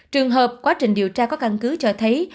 trường hợp quá trình điều tra có căn cứ cho thấy